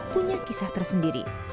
punya kisah tersendiri